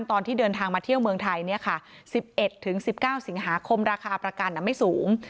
ตอนที่เดินทางมาเที่ยวเมืองไทย๑๑๑๑๙สิงหาคมราคาประกันไม่สูง